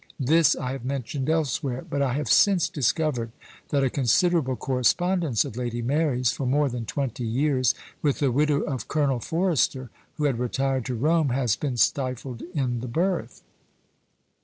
This I have mentioned elsewhere; but I have since discovered that a considerable correspondence of Lady Mary's, for more than twenty years, with the widow of Colonel Forrester, who had retired to Rome, has been stifled in the birth.